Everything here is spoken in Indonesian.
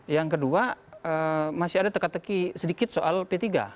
yang kedua masih ada teka teki sedikit soal p tiga